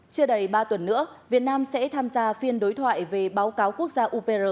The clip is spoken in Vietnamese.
chưa đầy ba tuần nữa việt nam sẽ tham gia phiên đối thoại về báo cáo quốc gia upr